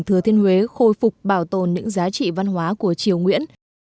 thừa thiên huế khôi phục bảo tồn những giá trị văn hóa của triều nguyễn